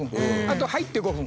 あと「入って５分」。